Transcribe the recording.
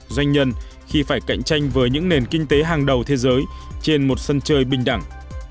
doanh nhân khi phải cạnh tranh với những nền kinh tế hàng đầu thế giới trên một sân chơi bình đẳng